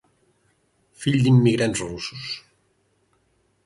Fill d'immigrants russos.